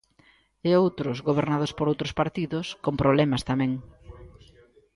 E outros, gobernados por outros partidos, con problemas tamén.